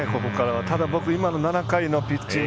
ただ、今の７回のピッチング。